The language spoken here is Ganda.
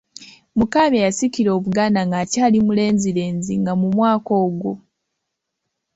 Mukaabya yasikira Obuganda ng'akyali mulenzirenzi nga mu mwaka ogwo.